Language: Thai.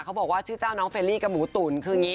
ก็บอกว่าชื่อเจ้าน้องเฟลรี่กับหมูตุ๋น